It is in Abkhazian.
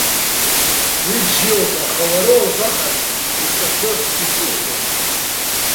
Уи бзиоуп, аха уара уабаҟаз, иҿахәы иҿухуазма?